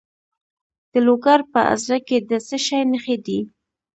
د لوګر په ازره کې د څه شي نښې دي؟